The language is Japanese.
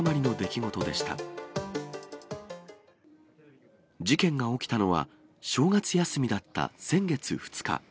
事件が起きたのは、正月休みだった先月２日。